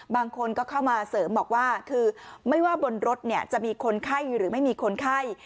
บางคนก็เข้ามาเสริมบอกว่าคือไม่ว่าบนรถจะมีคนไข้หรือไม่มีคนไข้